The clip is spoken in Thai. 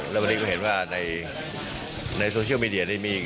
พอเดี๋ยวก็เห็นว่าในโซเชียลมีเดีย